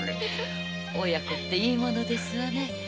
親子っていいものですねぇ。